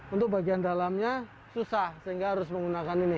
untuk bagian dalamnya susah sehingga harus menggunakan ini